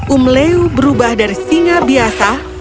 um leu berubah dari singa biasa